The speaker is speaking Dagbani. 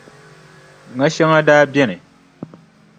Ŋa shɛŋa daa beni,